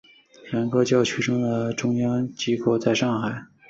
两个教区的中央机构在上海。